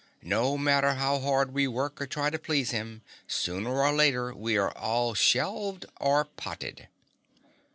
No matter how hard we work or try to please him, sooner or later, we are all shelved or potted!"